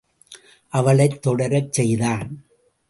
அவளைத் தொடரச் செய்தான்.